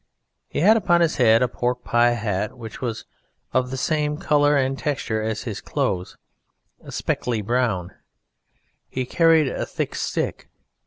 He had upon his head a pork pie hat which was of the same colour and texture as his clothes, a speckly brown. He carried a thick stick.